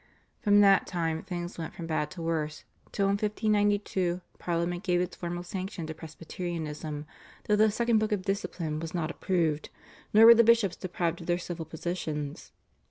From that time things went from bad to worse till in 1592 Parliament gave its formal sanction to Presbyterianism, though the /Second Book of Discipline/ was not approved, nor were the bishops deprived of their civil positions.